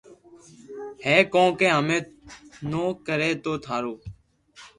ھي ڪونڪھ ھمي نو ڪري تو ٿارو